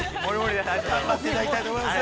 頑張っていただきたいと思います。